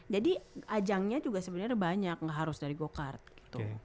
jadi ajangnya juga sebenarnya ada banyak gak harus dari go kart gitu